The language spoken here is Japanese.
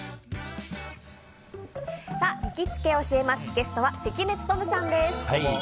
ゲストは関根勤さんです。